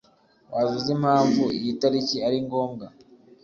Waba uzi impamvu iyi tariki ari ngombwa?